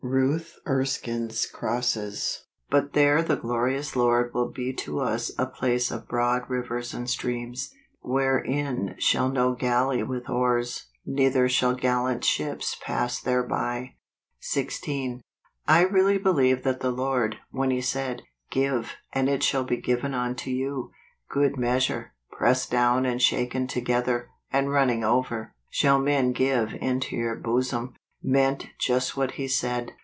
Ruth Erskine's Crosses. " But there the glorious Lord trill be to us a place of broad rivers and streams; wherein shall no gal¬ ley with oars , neither shall gallant ships pass thereby" 16. I really believe that the Lord, when He said, " Give, and it shall be given unto you, good measure, pressed down and shaken together, and running over, shall men give into your bosom,*' meant just what he said.